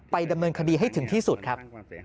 ดำเนินคดีให้ถึงที่สุดครับ